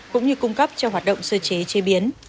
cũng như cung cấp cho hoạt động sơ chế chế biến